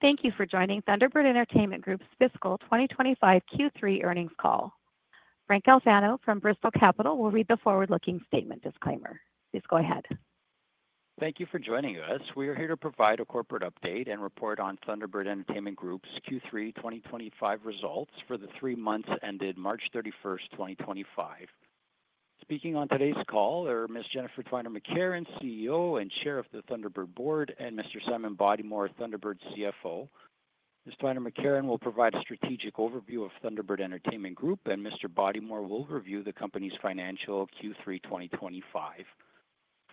Thank you for joining Thunderbird Entertainment Group's fiscal 2025 Q3 earnings call. Frank Alfano from Bristol Capital will read the forward-looking statement disclaimer. Please go ahead. Thank you for joining us. We are here to provide a corporate update and report on Thunderbird Entertainment Group's Q3 2025 results for the three months ended March 31, 2025. Speaking on today's call are Ms. Jennifer Twiner McCarron, CEO and Chair of the Thunderbird Board, and Mr. Simon Bodymore, Thunderbird CFO. Ms. Twiner McCarron will provide a strategic overview of Thunderbird Entertainment Group, and Mr. Bodymore will review the company's financial Q3 2025.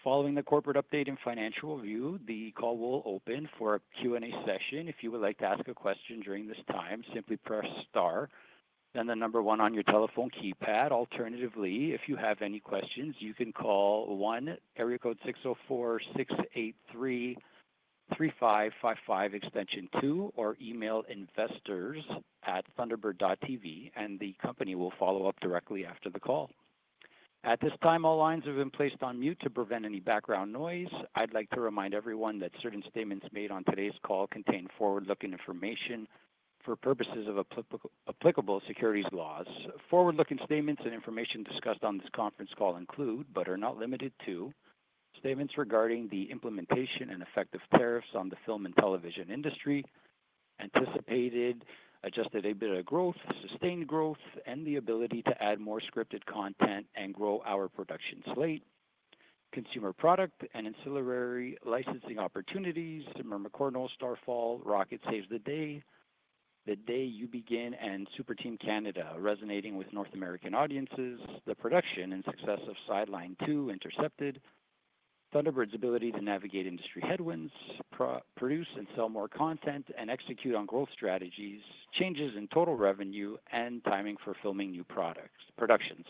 Following the corporate update and financial review, the call will open for a Q&A session. If you would like to ask a question during this time, simply press star and the number one on your telephone keypad. Alternatively, if you have any questions, you can call 1, area code 604-683-3555, extension 2, or email investors@thunderbird.tv. and the company will follow up directly after the call. At this time, all lines have been placed on mute to prevent any background noise. I'd like to remind everyone that certain statements made on today's call contain forward-looking information for purposes of applicable securities laws. Forward-looking statements and information discussed on this conference call include, but are not limited to, statements regarding the implementation and effect of tariffs on the film and television industry, anticipated adjusted EBITDA growth, sustained growth, and the ability to add more scripted content and grow our production slate, consumer product and ancillary licensing opportunities. Mermicorno: Starfall, Rocket Saves the Day, The Day You Begin, and Super Team Canada resonating with North American audiences. The production and success of Sidelined 2: Intercepted, Thunderbird's ability to navigate industry headwinds, produce and sell more content, and execute on growth strategies, changes in total revenue, and timing for filming new productions.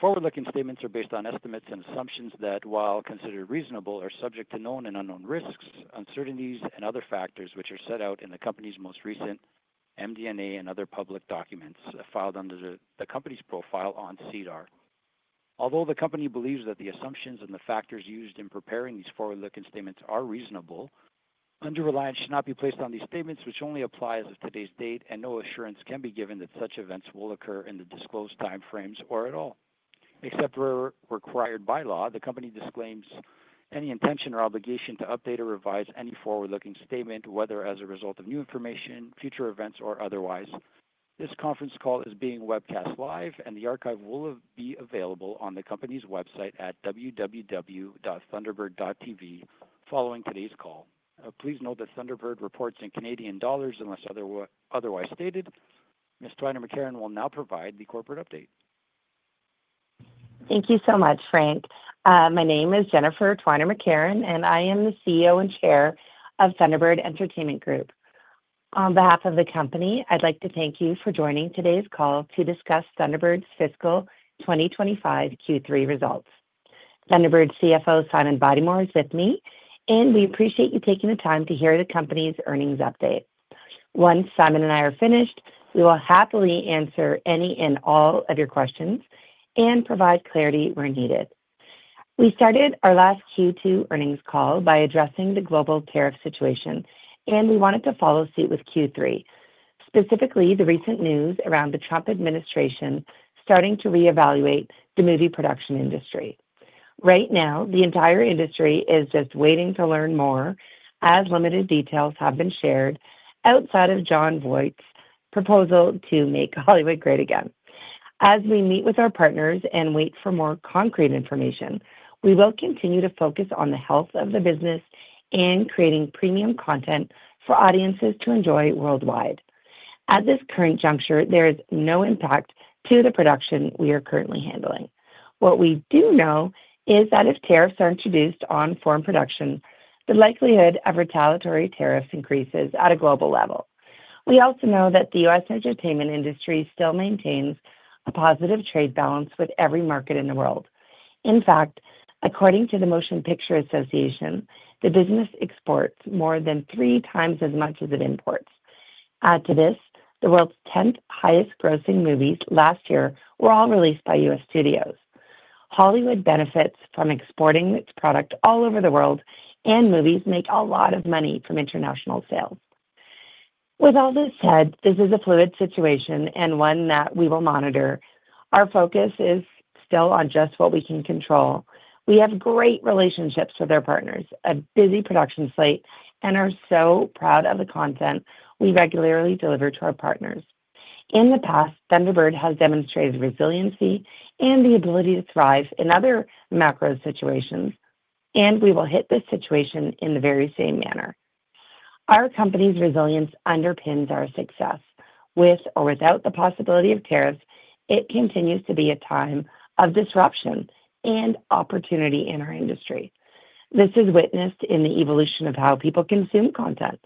Forward-looking statements are based on estimates and assumptions that, while considered reasonable, are subject to known and unknown risks, uncertainties, and other factors which are set out in the company's most recent MD&A and other public documents filed under the company's profile on SEDAR. Although the company believes that the assumptions and the factors used in preparing these forward-looking statements are reasonable, undue reliance should not be placed on these statements, which only applies as of today's date, and no assurance can be given that such events will occur in the disclosed timeframes or at all. Except as required by law, the company disclaims any intention or obligation to update or revise any forward-looking statement, whether as a result of new information, future events, or otherwise. This conference call is being webcast live, and the archive will be available on the company's website at www.thunderbird.tv. Following today's call, please note that Thunderbird reports in CAD unless otherwise stated. Ms. Twiner McCarron will now provide the corporate update. Thank you so much, Frank. My name is Jennifer Twiner McCarron, and I am the CEO and Chair of Thunderbird Entertainment Group. On behalf of the company, I'd like to thank you for joining today's call to discuss Thunderbird's fiscal 2025 Q3 results. Thunderbird CFO Simon Bodymore is with me, and we appreciate you taking the time to hear the company's earnings update. Once Simon and I are finished, we will happily answer any and all of your questions and provide clarity where needed. We started our last Q2 earnings call by addressing the global tariff situation, and we wanted to follow suit with Q3, specifically the recent news around the Trump administration starting to reevaluate the movie production industry. Right now, the entire industry is just waiting to learn more, as limited details have been shared outside of Jon Voight's proposal to make Hollywood great again. As we meet with our partners and wait for more concrete information, we will continue to focus on the health of the business and creating premium content for audiences to enjoy worldwide. At this current juncture, there is no impact to the production we are currently handling. What we do know is that if tariffs are introduced on foreign production, the likelihood of retaliatory tariffs increases at a global level. We also know that the U.S. entertainment industry still maintains a positive trade balance with every market in the world. In fact, according to the Motion Picture Association, the business exports more than three times as much as it imports. Add to this, the world's 10th highest-grossing movies last year were all released by U.S. studios. Hollywood benefits from exporting its product all over the world, and movies make a lot of money from international sales. With all this said, this is a fluid situation and one that we will monitor. Our focus is still on just what we can control. We have great relationships with our partners, a busy production slate, and are so proud of the content we regularly deliver to our partners. In the past, Thunderbird has demonstrated resiliency and the ability to thrive in other macro situations, and we will hit this situation in the very same manner. Our company's resilience underpins our success. With or without the possibility of tariffs, it continues to be a time of disruption and opportunity in our industry. This is witnessed in the evolution of how people consume content,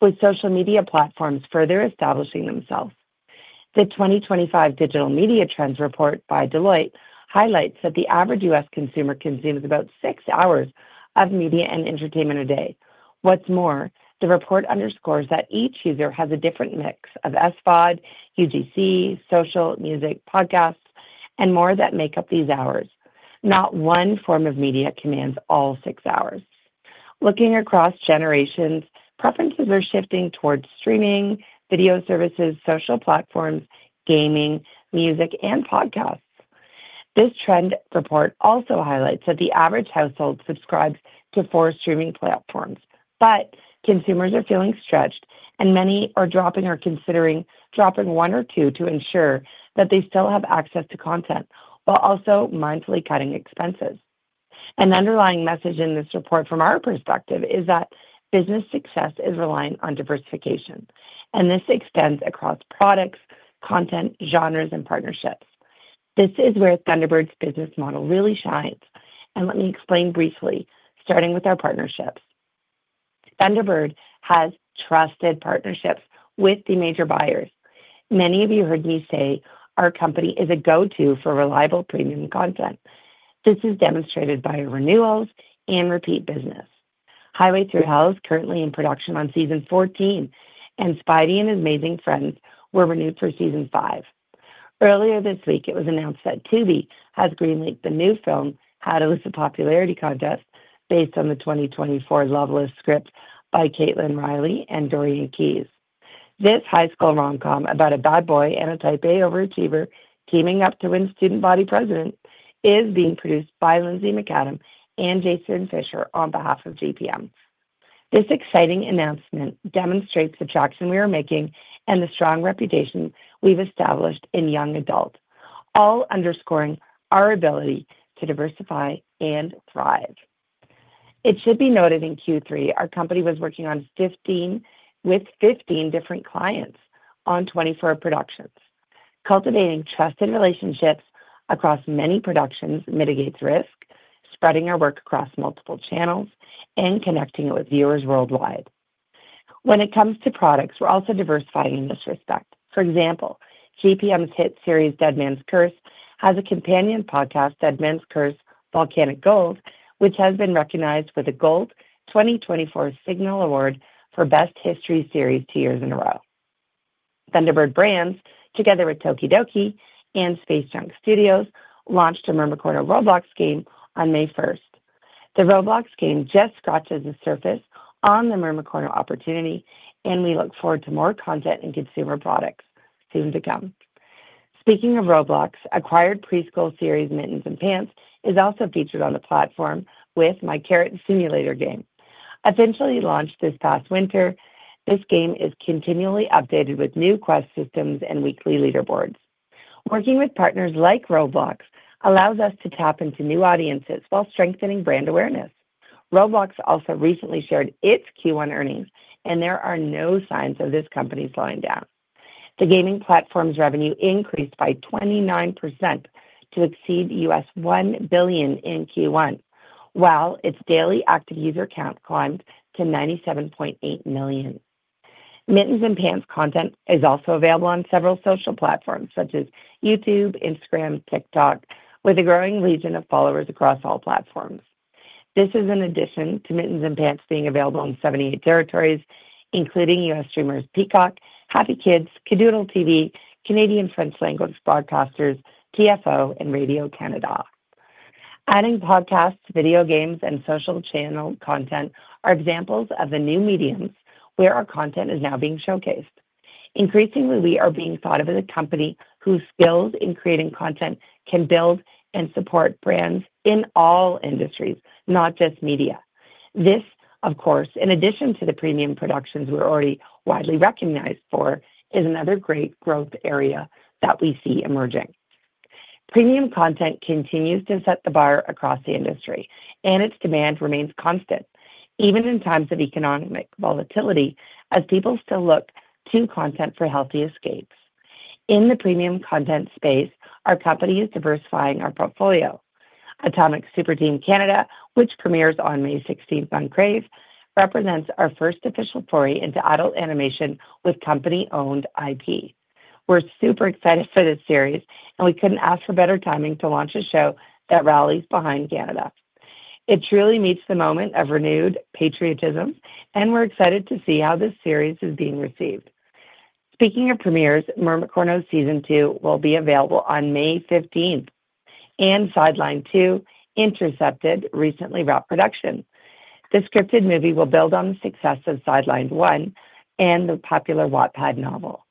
with social media platforms further establishing themselves. The 2025 Digital Media Trends Report by Deloitte highlights that the average U.S. consumer consumes about six hours of media and entertainment a day. What's more, the report underscores that each user has a different mix of SVOD, UGC, social, music, podcasts, and more that make up these hours. Not one form of media commands all six hours. Looking across generations, preferences are shifting towards streaming, video services, social platforms, gaming, music, and podcasts. This trend report also highlights that the average household subscribes to four streaming platforms, but consumers are feeling stretched, and many are dropping or considering dropping one or two to ensure that they still have access to content while also mindfully cutting expenses. An underlying message in this report, from our perspective, is that business success is reliant on diversification, and this extends across products, content, genres, and partnerships. This is where Thunderbird's business model really shines. Let me explain briefly, starting with our partnerships. Thunderbird has trusted partnerships with the major buyers. Many of you heard me say our company is a go-to for reliable premium content. This is demonstrated by renewals and repeat business. Highway Thru Hell is currently in production on season 14, and Spidey and His Amazing Friends were renewed for season five. Earlier this week, it was announced that Tubi has greenlit the new film, How to Lose a Popularity Contest, based on the 2024 Loveless script by Caitlin Riley and Dorian Keys. This high school rom-com about a bad boy and a type A overachiever teaming up to win student body president is being produced by Lindsay McAdam and Jason Fisher on behalf of GPM. This exciting announcement demonstrates the traction we are making and the strong reputation we have established in young adults, all underscoring our ability to diversify and thrive. It should be noted in Q3, our company was working with 15 different clients on 24 productions. Cultivating trusted relationships across many productions mitigates risk, spreading our work across multiple channels, and connecting it with viewers worldwide. When it comes to products, we're also diversifying in this respect. For example, GPM's hit series Dead Man's Curse has a companion podcast, Dead Man's Curse: Volcanic Gold, which has been recognized with a Gold 2024 Signal Award for Best History Series two years in a row. Thunderbird Brands, together with tokidoki and Space Junk Studios, launched a Mermicorno Roblox game on May 1. The Roblox game just scratches the surface on the Mermicorno opportunity, and we look forward to more content and consumer products soon to come. Speaking of Roblox, acquired preschool series Mittens and Pants is also featured on the platform with My Carrot Simulator game. Eventually launched this past winter, this game is continually updated with new quest systems and weekly leaderboards. Working with partners like Roblox allows us to tap into new audiences while strengthening brand awareness. Roblox also recently shared its Q1 earnings, and there are no signs of this company slowing down. The gaming platform's revenue increased by 29% to exceed $1 billion in Q1, while its daily active user count climbed to 97.8 million. Mittens and Pants content is also available on several social platforms such as YouTube, Instagram, TikTok, with a growing region of followers across all platforms. This is in addition to Mittens and Pants being available in 78 territories, including U.S. streamers Peacock, Happy Kids, Kadoodle TV, Canadian-French language broadcasters, TFO, and Radio Canada. Adding podcasts, video games, and social channel content are examples of the new mediums where our content is now being showcased. Increasingly, we are being thought of as a company whose skills in creating content can build and support brands in all industries, not just media. This, of course, in addition to the premium productions we're already widely recognized for, is another great growth area that we see emerging. Premium content continues to set the bar across the industry, and its demand remains constant, even in times of economic volatility, as people still look to content for healthy escapes. In the premium content space, our company is diversifying our portfolio. Atomic Super Team Canada, which premieres on May 16th on Crave, represents our first official foray into adult animation with company-owned IP. We're super excited for this series, and we couldn't ask for better timing to launch a show that rallies behind Canada. It truly meets the moment of renewed patriotism, and we're excited to see how this series is being received. Speaking of premieres, Mermicorno season two will be available on May 15th, and Sidelined 2: Intercepted recently wrapped production. The scripted movie will build on the success of Sidelined 1 and the popular Wattpad novel.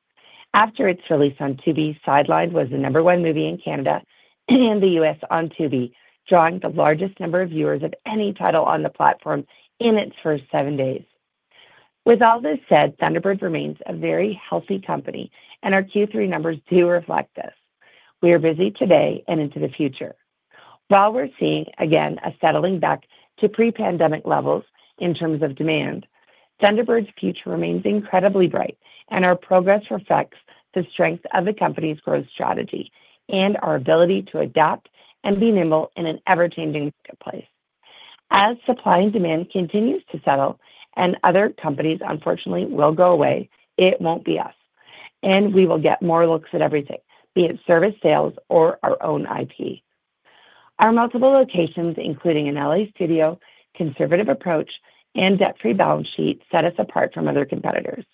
After its release on Tubi, Sidelined was the number one movie in Canada and the U.S. on Tubi, drawing the largest number of viewers of any title on the platform in its first seven days. With all this said, Thunderbird remains a very healthy company, and our Q3 numbers do reflect this. We are busy today and into the future. While we're seeing again a settling back to pre-pandemic levels in terms of demand, Thunderbird's future remains incredibly bright, and our progress reflects the strength of the company's growth strategy and our ability to adapt and be nimble in an ever-changing marketplace. As supply and demand continues to settle and other companies unfortunately will go away, it won't be us, and we will get more looks at everything, be it service sales or our own IP. Our multiple locations, including an LA studio, conservative approach, and debt-free balance sheet set us apart from other competitors,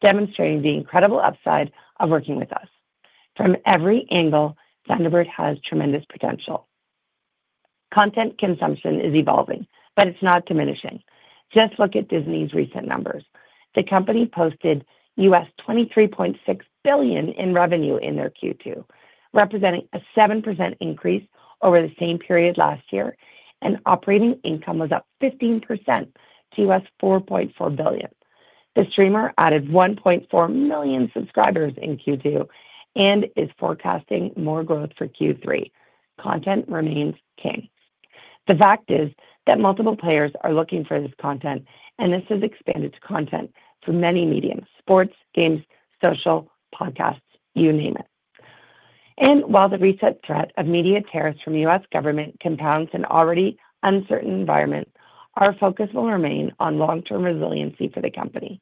demonstrating the incredible upside of working with us. From every angle, Thunderbird has tremendous potential. Content consumption is evolving, but it's not diminishing. Just look at Disney's recent numbers. The company posted U.S. $23.6 billion in revenue in their Q2, representing a 7% increase over the same period last year, and operating income was up 15% to $4.4 billion. The streamer added 1.4 million subscribers in Q2 and is forecasting more growth for Q3. Content remains king. The fact is that multiple players are looking for this content, and this has expanded to content for many mediums, sports, games, social, podcasts, you name it. While the recent threat of media tariffs from the U.S. government compounds an already uncertain environment, our focus will remain on long-term resiliency for the company,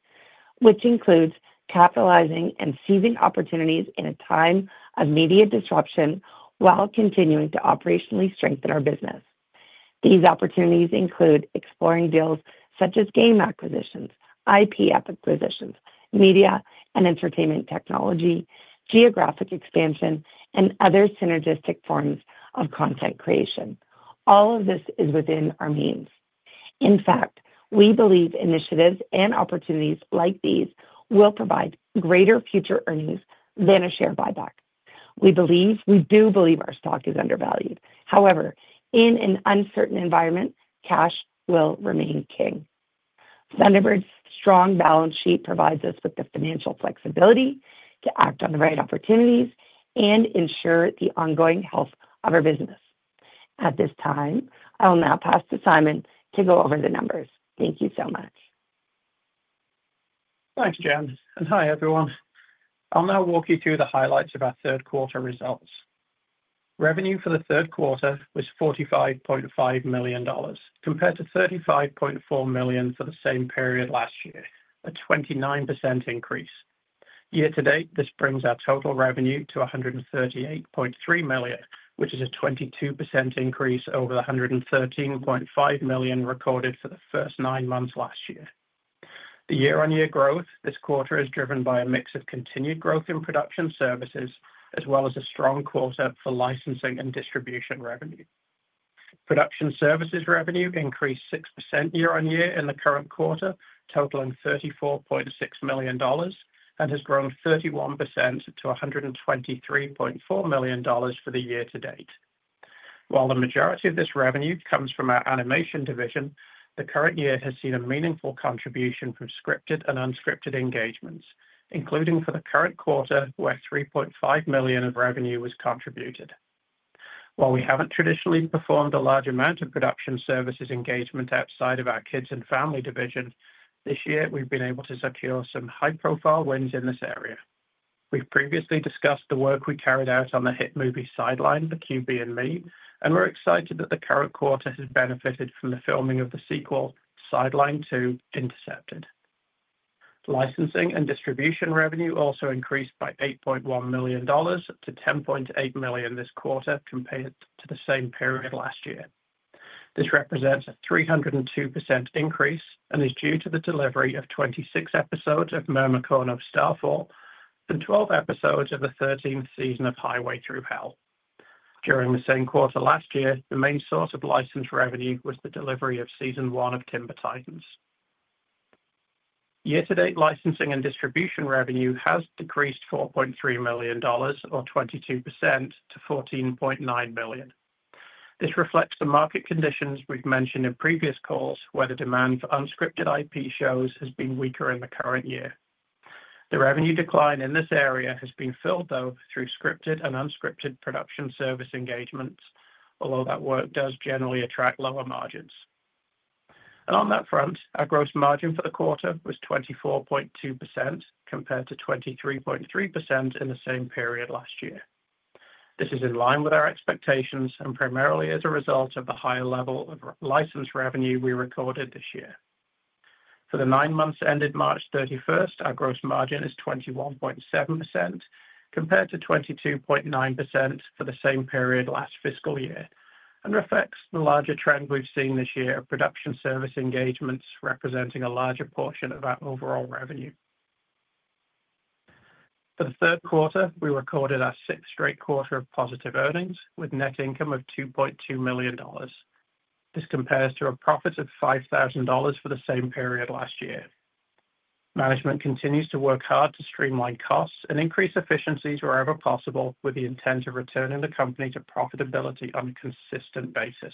which includes capitalizing and seizing opportunities in a time of media disruption while continuing to operationally strengthen our business. These opportunities include exploring deals such as game acquisitions, IP acquisitions, media and entertainment technology, geographic expansion, and other synergistic forms of content creation. All of this is within our means. In fact, we believe initiatives and opportunities like these will provide greater future earnings than a share buyback. We believe we do believe our stock is undervalued. However, in an uncertain environment, cash will remain king. Thunderbird's strong balance sheet provides us with the financial flexibility to act on the right opportunities and ensure the ongoing health of our business. At this time, I will now pass to Simon to go over the numbers. Thank you so much. Thanks, Jen. And hi, everyone. I'll now walk you through the highlights of our third-quarter results. Revenue for the third quarter was 45.5 million dollars compared to 35.4 million for the same period last year, a 29% increase. Year-to-date, this brings our total revenue to 138.3 million, which is a 22% increase over the 113.5 million recorded for the first nine months last year. The year-on-year growth this quarter is driven by a mix of continued growth in production services as well as a strong quarter for licensing and distribution revenue. Production services revenue increased 6% year-on-year in the current quarter, totaling 34.6 million dollars, and has grown 31% to 123.4 million dollars for the year-to-date. While the majority of this revenue comes from our animation division, the current year has seen a meaningful contribution from scripted and unscripted engagements, including for the current quarter where 3.5 million of revenue was contributed. While we have not traditionally performed a large amount of production services engagement outside of our kids and family division, this year we have been able to secure some high-profile wins in this area. We've previously discussed the work we carried out on the hit movie Sidelined: The QB and Me, and we're excited that the current quarter has benefited from the filming of the sequel Sidelined 2: Intercepted. Licensing and distribution revenue also increased by 8.1 million dollars to 10.8 million this quarter compared to the same period last year. This represents a 302% increase and is due to the delivery of 26 episodes of Mermicorno: Starfall, and 12 episodes of the 13th season of Highway Thru Hell. During the same quarter last year, the main source of license revenue was the delivery of season one of Timber Titans. Year-to-date licensing and distribution revenue has decreased 4.3 million dollars, or 22%, to 14.9 million. This reflects the market conditions we've mentioned in previous calls, where the demand for unscripted IP shows has been weaker in the current year. The revenue decline in this area has been filled, though, through scripted and unscripted production service engagements, although that work does generally attract lower margins. On that front, our gross margin for the quarter was 24.2% compared to 23.3% in the same period last year. This is in line with our expectations and primarily as a result of the higher level of license revenue we recorded this year. For the nine months ended March 31st, our gross margin is 21.7% compared to 22.9% for the same period last fiscal year and reflects the larger trend we've seen this year of production service engagements representing a larger portion of our overall revenue. For the third quarter, we recorded our sixth straight quarter of positive earnings with net income of 2.2 million dollars. This compares to a profit of 5,000 dollars for the same period last year. Management continues to work hard to streamline costs and increase efficiencies wherever possible with the intent of returning the company to profitability on a consistent basis.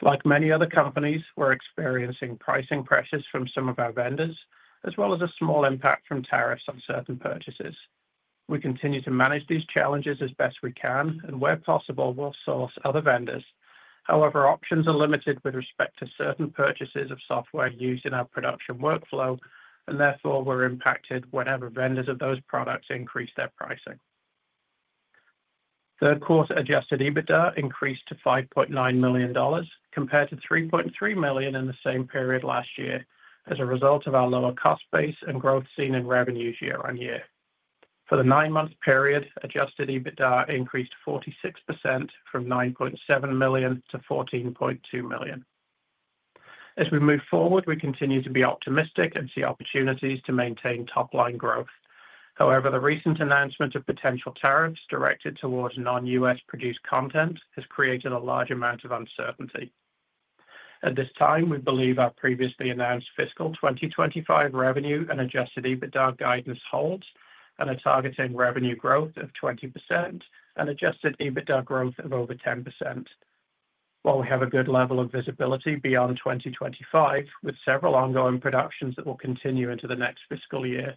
Like many other companies, we're experiencing pricing pressures from some of our vendors, as well as a small impact from tariffs on certain purchases. We continue to manage these challenges as best we can, and where possible, we'll source other vendors. However, options are limited with respect to certain purchases of software used in our production workflow, and therefore we're impacted whenever vendors of those products increase their pricing. Third-quarter adjusted EBITDA increased to 5.9 million dollars compared to 3.3 million in the same period last year as a result of our lower cost base and growth seen in revenues year-on-year. For the nine-month period, adjusted EBITDA increased 46% from 9.7 million to 14.2 million. As we move forward, we continue to be optimistic and see opportunities to maintain top-line growth. However, the recent announcement of potential tariffs directed towards non-U.S. produced content has created a large amount of uncertainty. At this time, we believe our previously announced fiscal 2025 revenue and adjusted EBITDA guidance holds, and are targeting revenue growth of 20% and adjusted EBITDA growth of over 10%. While we have a good level of visibility beyond 2025, with several ongoing productions that will continue into the next fiscal year,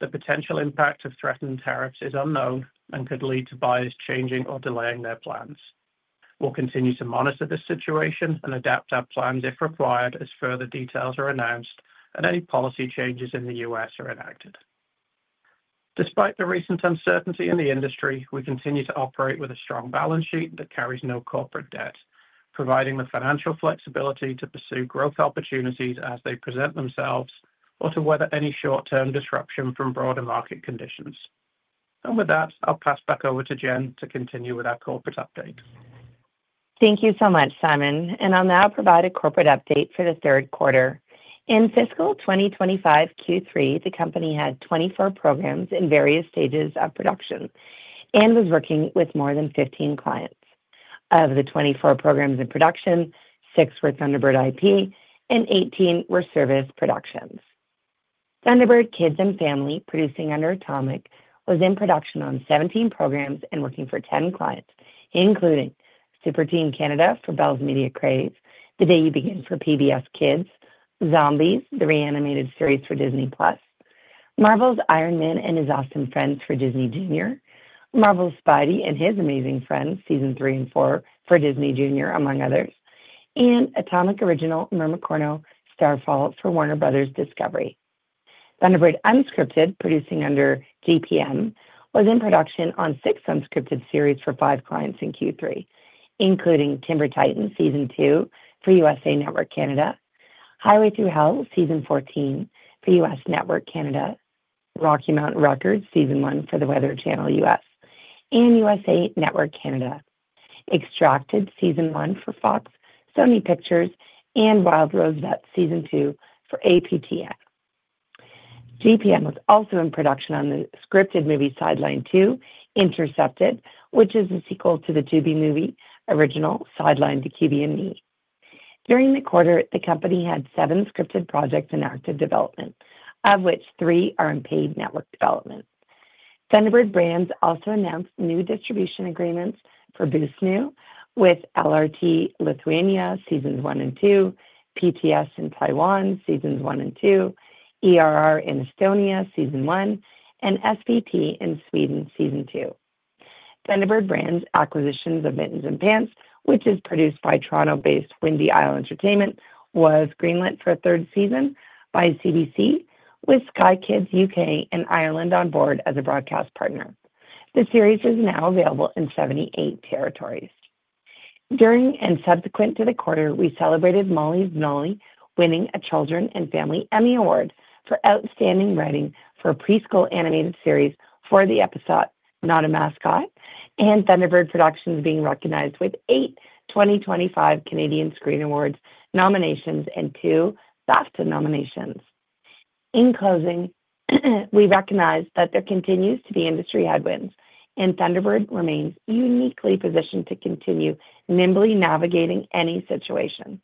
the potential impact of threatened tariffs is unknown and could lead to buyers changing or delaying their plans. We will continue to monitor this situation and adapt our plans if required as further details are announced and any policy changes in the U.S. are enacted. Despite the recent uncertainty in the industry, we continue to operate with a strong balance sheet that carries no corporate debt, providing the financial flexibility to pursue growth opportunities as they present themselves or to weather any short-term disruption from broader market conditions. I'll pass back over to Jen to continue with our corporate update. Thank you so much, Simon. I'll now provide a corporate update for the third quarter. In fiscal 2025 Q3, the company had 24 programs in various stages of production and was working with more than 15 clients. Of the 24 programs in production, six were Thunderbird IP and 18 were service productions. Thunderbird Kids and Family, producing under Atomic, was in production on 17 programs and working for 10 clients, including Super Team Canada for Bell Media Crave, The Day You Begin for PBS Kids, Zombies: The Re-Animated Series for Disney+, Marvel's Iron Man and His Awesome Friends for Disney Jr., Marvel's Spidey and His Amazing Friends, season three and four for Disney Jr., among others, and Atomic original Mermicorno: Starfall for Warner Bros. Discovery. Thunderbird Unscripted, producing under GPM, was in production on six unscripted series for five clients in Q3, including Timber Titans season two for USA Network Canada, Highway Thru Hell season 14 for USA Network Canada, Rocky Mountain Wreckers season one for the Weather Channel US, and USA Network Canada. Extracted season one for Fox, Sony Pictures, and Wild Rose Vets season two for APTN. GPM was also in production on the scripted movie Sidelined 2: Intercepted, which is a sequel to the Tubi movie original Sidelined: The QB and Me. During the quarter, the company had seven scripted projects in active development, of which three are in paid network development. Thunderbird Brands also announced new distribution agreements for Boost New with LRT Lithuania seasons one and two, PTS in Taiwan seasons one and two, ERR in Estonia season one, and SVT in Sweden season two. Thunderbird Brands' acquisition of Mittens and Pants, which is produced by Toronto-based Windy Isle Entertainment, was greenlit for a third season by CBC with Sky Kids U.K. and Ireland on board as a broadcast partner. The series is now available in 78 territories. During and subsequent to the quarter, we celebrated Molly of Denali winning a Children and Family Emmy Award for outstanding writing for a preschool animated series for the episode Not a Mascot, and Thunderbird Productions being recognized with eight 2025 Canadian Screen Awards nominations and two BAFTA nominations. In closing, we recognize that there continues to be industry headwinds, and Thunderbird remains uniquely positioned to continue nimbly navigating any situation.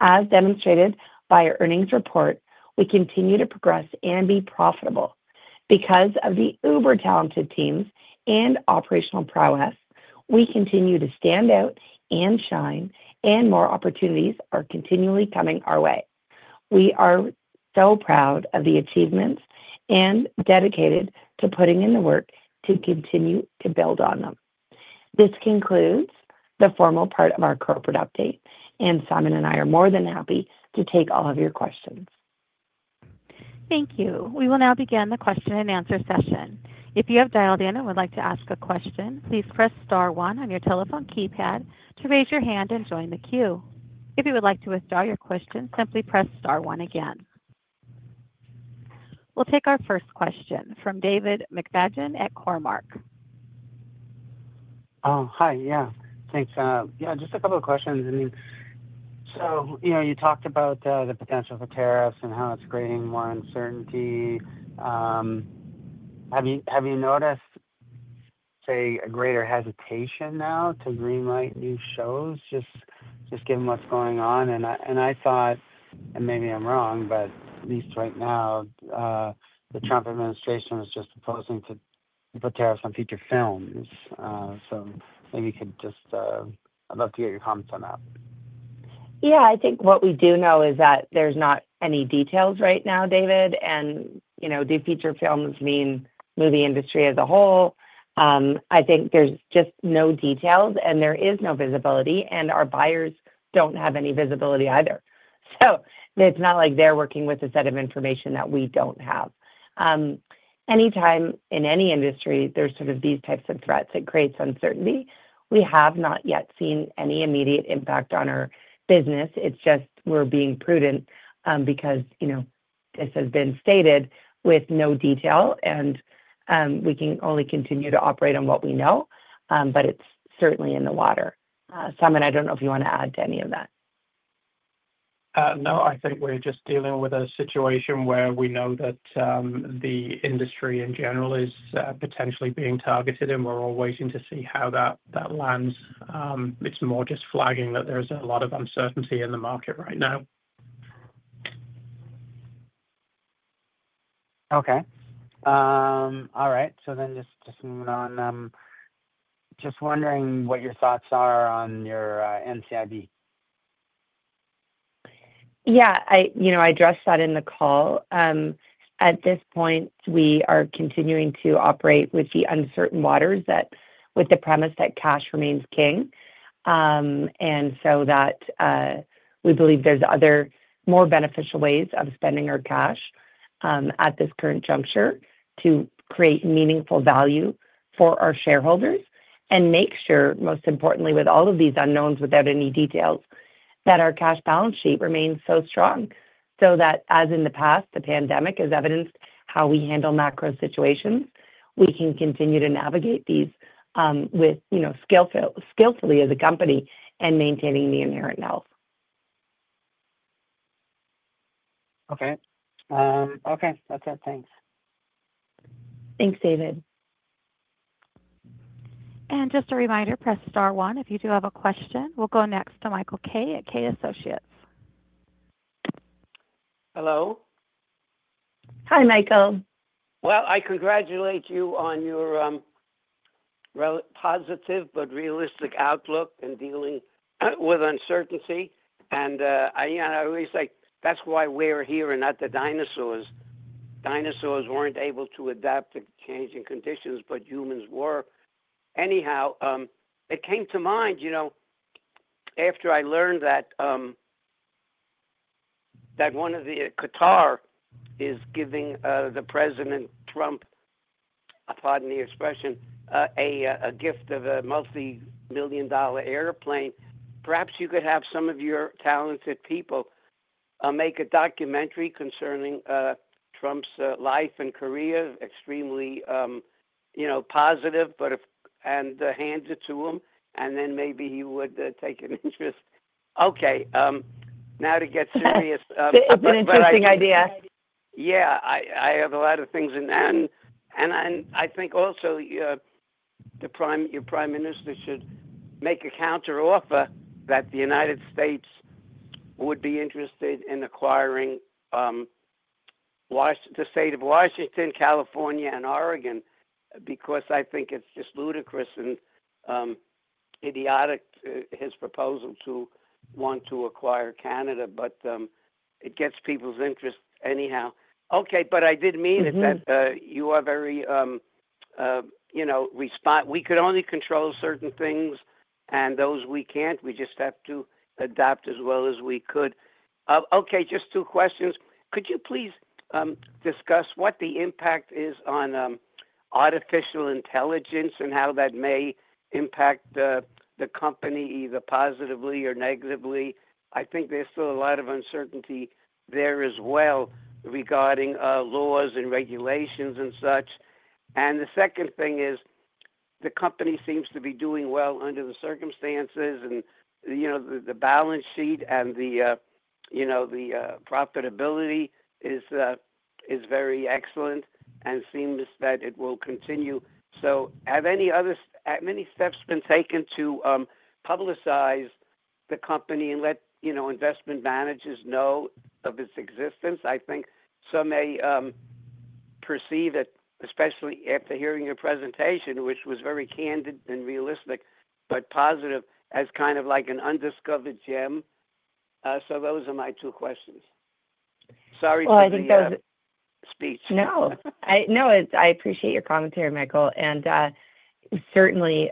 As demonstrated by our earnings report, we continue to progress and be profitable. Because of the uber-talented teams and operational prowess, we continue to stand out and shine, and more opportunities are continually coming our way. We are so proud of the achievements and dedicated to putting in the work to continue to build on them. This concludes the formal part of our corporate update, and Simon and I are more than happy to take all of your questions. Thank you. We will now begin the question and answer session. If you have dialed in and would like to ask a question, please press star one on your telephone keypad to raise your hand and join the queue. If you would like to withdraw your question, simply press star one again. We'll take our first question from David McFadgen at Cormark. Hi, yeah. Thanks. Yeah, just a couple of questions. I mean, so you talked about the potential for tariffs and how it's creating more uncertainty. Have you noticed, say, a greater hesitation now to greenlight new shows? Just given what's going on. I thought, and maybe I'm wrong, but at least right now, the Trump administration was just proposing to put tariffs on feature films. Maybe you could just—I’d love to get your comments on that. Yeah, I think what we do know is that there's not any details right now, David. And do feature films mean the industry as a whole? I think there's just no details, and there is no visibility, and our buyers don't have any visibility either. It's not like they're working with a set of information that we don't have. Anytime in any industry, there's sort of these types of threats that create uncertainty. We have not yet seen any immediate impact on our business. It's just we're being prudent because this has been stated with no detail, and we can only continue to operate on what we know, but it's certainly in the water. Simon, I don't know if you want to add to any of that. No, I think we're just dealing with a situation where we know that the industry in general is potentially being targeted, and we're all waiting to see how that lands. It's more just flagging that there's a lot of uncertainty in the market right now. Okay. All right. Just moving on. Just wondering what your thoughts are on your NCIB. Yeah, I addressed that in the call. At this point, we are continuing to operate with the uncertain waters with the premise that cash remains king. We believe there are other more beneficial ways of spending our cash at this current juncture to create meaningful value for our shareholders and make sure, most importantly, with all of these unknowns without any details, that our cash balance sheet remains so strong so that, as in the past, the pandemic has evidenced how we handle macro situations, we can continue to navigate these skillfully as a company and maintain the inherent health. Okay. That's it. Thanks. Thanks, David. Just a reminder, press star one if you do have a question. We'll go next to Michael Kay at Kay Associates. Hello? Hi, Michael. I congratulate you on your positive but realistic outlook in dealing with uncertainty. I always say that's why we're here and not the dinosaurs. Dinosaurs were not able to adapt to changing conditions, but humans were. Anyhow, it came to mind after I learned that one of the Qatar is giving President Trump, pardon the expression, a gift of a multi-million dollar airplane. Perhaps you could have some of your talented people make a documentary concerning Trump's life and career, extremely positive, and hand it to him, and then maybe he would take an interest. Okay. Now, to get serious. It's an interesting idea. Yeah. I have a lot of things in mind. I think also your Prime Minister should make a counter-offer that the United States would be interested in acquiring the state of Washington, California, and Oregon because I think it's just ludicrous and idiotic, his proposal to want to acquire Canada, but it gets people's interest anyhow. Okay. I did mean it that you are very—we could only control certain things, and those we can't. We just have to adapt as well as we could. Okay. Just two questions. Could you please discuss what the impact is on artificial intelligence and how that may impact the company either positively or negatively? I think there's still a lot of uncertainty there as well regarding laws and regulations and such. The second thing is the company seems to be doing well under the circumstances, and the balance sheet and the profitability is very excellent and seems that it will continue. Have many steps been taken to publicize the company and let investment managers know of its existence? I think some may perceive it, especially after hearing your presentation, which was very candid and realistic but positive, as kind of like an undiscovered gem. Those are my two questions. Sorry for the speech. No. No, I appreciate your comment here, Michael. Certainly,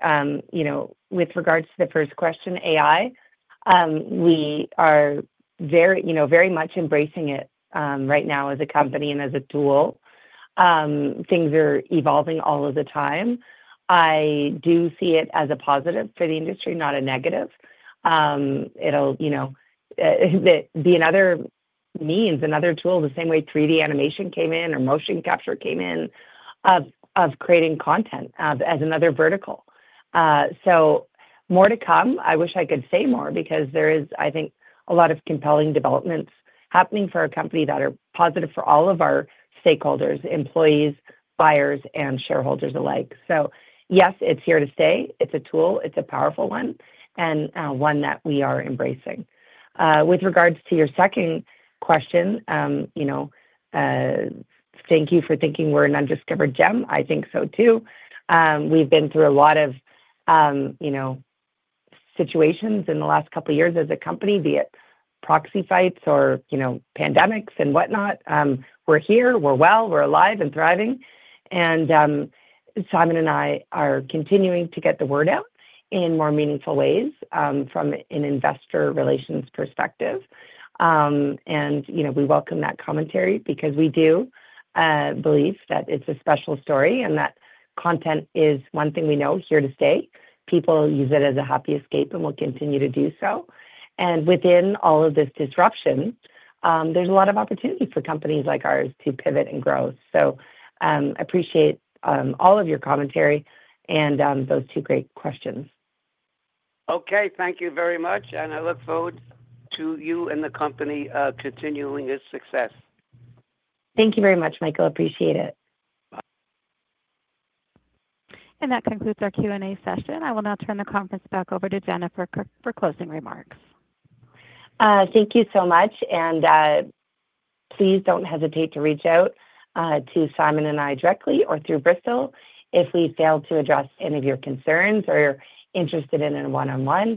with regards to the first question, AI, we are very much embracing it right now as a company and as a tool. Things are evolving all of the time. I do see it as a positive for the industry, not a negative. It will be another means, another tool, the same way 3D animation came in or motion capture came in, of creating content as another vertical. More to come. I wish I could say more because there is, I think, a lot of compelling developments happening for our company that are positive for all of our stakeholders, employees, buyers, and shareholders alike. Yes, it is here to stay. It is a tool. It is a powerful one and one that we are embracing. With regards to your second question, thank you for thinking we are an undiscovered gem. I think so too. We have been through a lot of situations in the last couple of years as a company, be it proxy fights or pandemics and whatnot. We are here. We are well. We are alive and thriving. Simon and I are continuing to get the word out in more meaningful ways from an investor relations perspective. We welcome that commentary because we do believe that it is a special story and that content is one thing we know is here to stay. People use it as a happy escape and will continue to do so. Within all of this disruption, there is a lot of opportunity for companies like ours to pivot and grow. I appreciate all of your commentary and those two great questions. Thank you very much. I look forward to you and the company continuing its success. Thank you very much, Michael. Appreciate it. That concludes our Q&A session. I will now turn the conference back over to Jennifer for closing remarks. Thank you so much. Please do not hesitate to reach out to Simon and me directly or through Bristol. If we failed to address any of your concerns or you are interested in a one-on-one,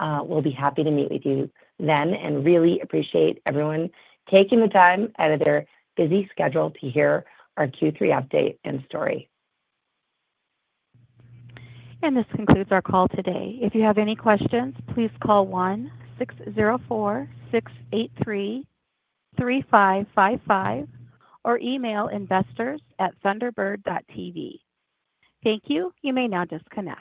we will be happy to meet with you then. We really appreciate everyone taking the time out of their busy schedule to hear our Q3 update and story. This concludes our call today. If you have any questions, please call 1-604-683-3555 or email investors@thunderbird.tv. Thank you. You may now disconnect.